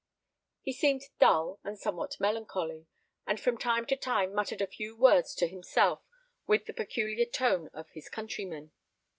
He seemed dull, and somewhat melancholy, and from time to time muttered a few words to himself with the peculiar tone of his countrymen.